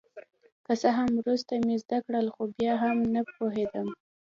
که څه هم وروسته مې زده کړل خو بیا هم نه په پوهېدم.